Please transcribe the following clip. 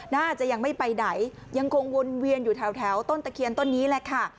น่าจะยังไม่ไปไหนยังคงวนเวียนอยู่แถวต้นตะเคียนต้นนี้แหละค่ะ